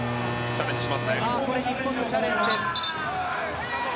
日本のチャレンジです。